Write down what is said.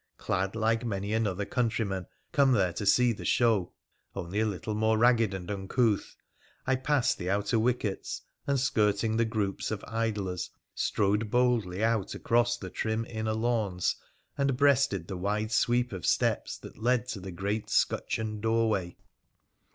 Clad like many another countryman come there to see the show (only a little more ragged and uncouth), I passed the outer wickets, and, skirting the groups of idlers, strode boldly out across the trim inner lawns and breasted the wide sweep of steps that led to the great scutcheoned doorway.